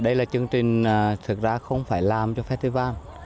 đây là chương trình thực ra không phải làm cho festival